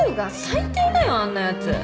最低だよあんなやつ。